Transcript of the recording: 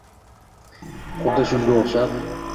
Xuddi shunga o‘xshab